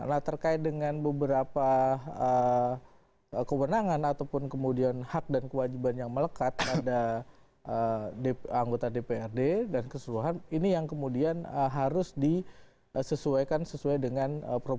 nah terkait dengan beberapa kewenangan ataupun kemudian hak dan kewajiban yang melekat pada anggota dprd dan keseluruhan ini yang kemudian harus disesuaikan sesuai dengan